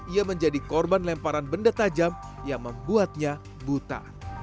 ia menjadi korban lemparan benda tajam yang membuatnya buta